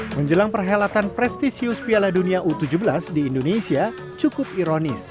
menjelang perhelatan prestisius piala dunia u tujuh belas di indonesia cukup ironis